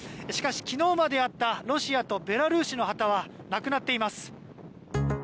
しかし、昨日まであったロシアとベラルーシの旗はなくなっています。